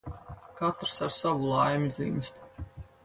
Katrs ar savu laimi dzimst.